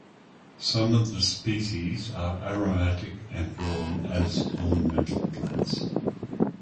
Some of the species are aromatic and grown as ornamental plants.